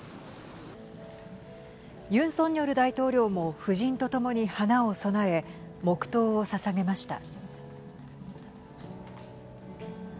ユン・ソンニョル大統領も夫人と共に花を供え黙とうをささげました。